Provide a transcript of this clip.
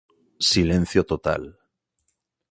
Silencio total.